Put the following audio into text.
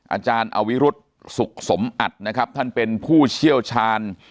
อาจารย์อวิรุธสุขสมอัดนะครับท่านเป็นผู้เชี่ยวชาญ